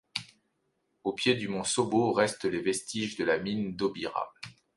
Au pied du mont Sobo restent les vestiges de la mine d'Obira.